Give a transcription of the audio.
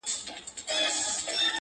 o چي خان ئې، په ياران ئې٫